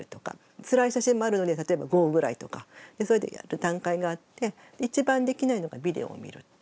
つらい写真もあるので例えば５ぐらいとかそうやって段階があって一番できないのがビデオを見るっていうこと。